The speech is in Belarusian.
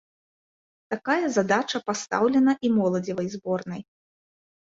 Такая задача пастаўлена і моладзевай зборнай.